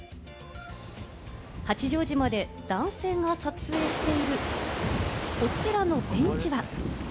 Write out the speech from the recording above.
八丈島で男性が撮影している、こちらのベンチは。